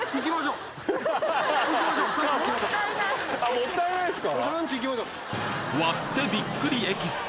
もったいないですか？